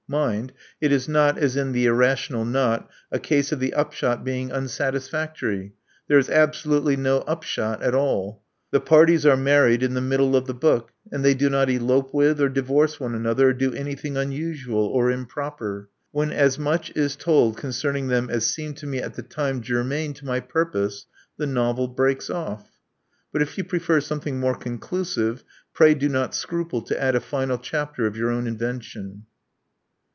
Mind: it is not, as in The Irrational Knot," a case of the upshot being unsatis factory! There is 'absolutely no upshot at all. . /The parties are married in the middle of the book ; and they do not elope with or divorce one another, or do any thing unusual or improper. When as much is told concerning them as seemed to me at the time germane to my purpose, the novel breaks off. But if you pre fer something more conclusive, pray do not scruple to add a final chapter of your own invention.